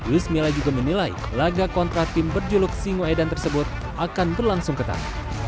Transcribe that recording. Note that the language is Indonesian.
luis mila juga menilai laga kontra tim berjuluk singoedan tersebut akan berlangsung ketat